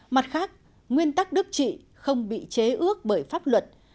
mặt khác nguyên tắc đức trị không bị chế ước bởi pháp luật